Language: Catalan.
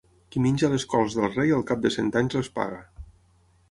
Qui menja les cols del rei al cap de cent anys les paga.